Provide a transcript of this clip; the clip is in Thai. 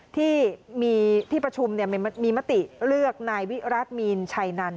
ที่มีที่ประชุมมีมติเลือกนายวิรัติมีนชัยนัน